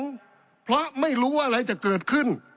เพราะไม่รู้ว่าอะไรจะเกิดขึ้น